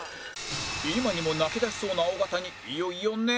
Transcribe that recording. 今にも泣きだしそうな尾形にいよいよネタバラシ！